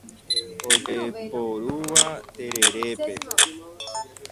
Ojeporúva tererépe.